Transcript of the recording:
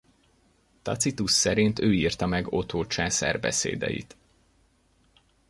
Tacitus szerint ő írta meg Otho császár beszédeit.